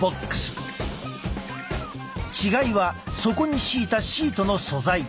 違いは底に敷いたシートの素材。